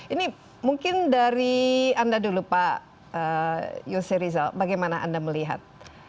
ini mungkin dari anda dulu pak yose rizal bagaimana anda melihat